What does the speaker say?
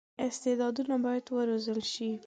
استعدادونه باید وروزل شي.